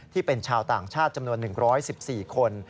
ที่เป็นชาวต่างชาติจำนวน๑๑๔คน